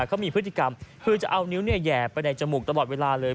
เขามีพฤติกรรมคือจะเอานิ้วแหย่ไปในจมูกตลอดเวลาเลย